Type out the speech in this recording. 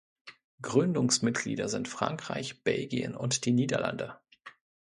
Gründungsmitglieder sind Frankreich, Belgien und die Niederlande.